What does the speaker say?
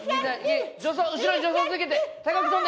後ろに助走つけて高く跳んで！